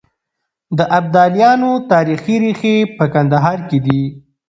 د ابدالیانو تاريخي ريښې په کندهار کې دي.